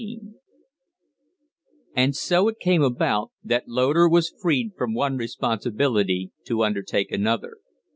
XIX And so it came about that Loder was freed from one responsibility to undertake another.